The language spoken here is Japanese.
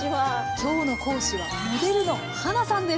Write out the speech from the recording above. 今日の講師はモデルのはなさんです。